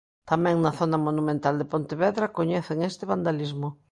Tamén na zona monumental de Pontevedra coñecen este vandalismo.